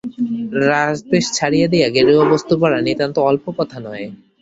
রাজবেশ ছাড়িয়া দিয়া গেরুয়া বস্ত্র পরা নিতান্ত অল্প কথা নহে।